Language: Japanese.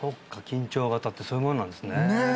緊張型ってそういうものなんですね